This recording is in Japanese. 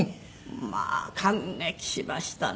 まあ感激しましたね。